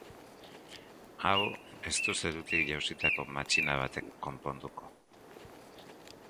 Hau ez du zerutik jausitako machina batek konponduko.